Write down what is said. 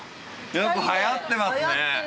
やっぱはやってますね。